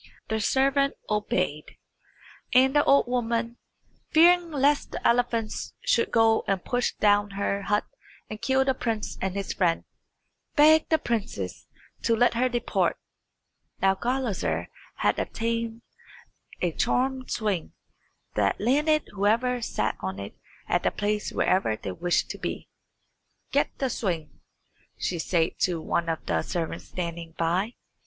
The servant obeyed, and the old woman, fearing lest the elephants should go and push down her hut and kill the prince and his friend, begged the princess to let her depart. Now Gulizar had obtained a charmed swing, that landed whoever sat on it at the place wherever they wished to be. "Get the swing," she said to one of the servants standing by.